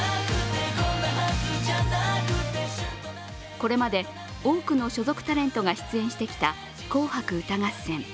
これまで多くの所属タレントが出演してきた「紅白歌合戦」。